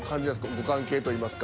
ご関係といいますか。